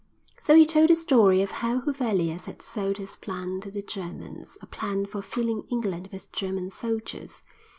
So he told the story of how Huvelius had sold his plan to the Germans; a plan for filling England with German soldiers.